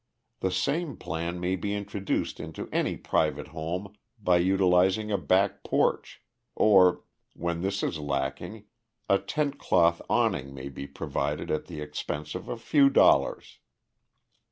The same plan may be introduced into any private home by utilizing a back porch, or, when this is lacking, a tent cloth awning may be provided at the expense of a few dollars.